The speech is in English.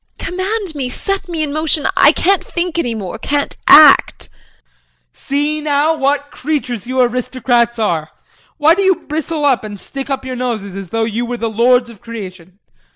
Command me, set me in motion I can't think any more, can't act JEAN. See now, what creatures you aristocrats are! Why do you bristle up and stick up your noses as though you were the lords of creation.